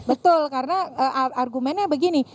betul karena argumennya begini